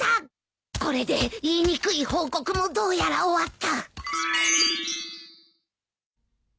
これで言いにくい報告もどうやら終わった。